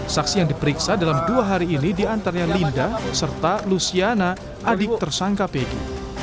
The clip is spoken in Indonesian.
saksi yang diperiksa dalam dua hari ini diantaranya linda serta luciana adik tersangka pg